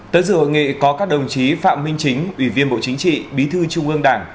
tới dự hội nghị có các đồng chí phạm minh chính ủy viên bộ chính trị bí thư trung ương đảng